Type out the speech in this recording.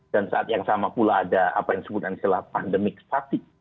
dan saat yang sama pula ada apa yang disebutkan pandemik statik